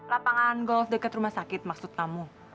lapangan golf dekat rumah sakit maksud kamu